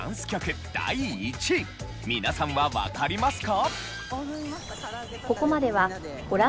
第１位皆さんはわかりますか？